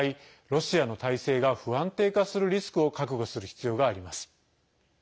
ロシアの体制が不安定化するリスクを覚悟する必要があります。